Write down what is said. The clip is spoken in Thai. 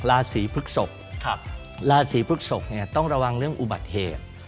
ราศรีพฤกษกต้องระวังเรื่องอุบัติเหตุ